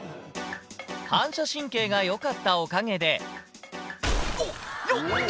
反射神経がよかったおかげで。